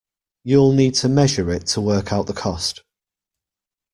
You'll need to measure it to work out the cost.